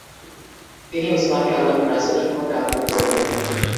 তিনি উসমানকে আল্লাহর রাসূল সম্পর্কে আগ্রহী করে তুলেন।